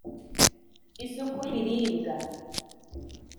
isuku y’ibiribwa,